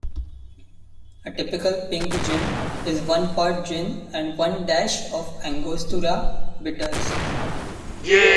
A typical pink gin is one part gin and one dash of angostura bitters.